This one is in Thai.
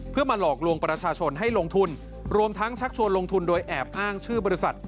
เพื่อมาหลอกลวงประชาชนให้ลงทุนรวมทั้งชักชวนลงทุนโดยแอบอ้างชื่อบริษัท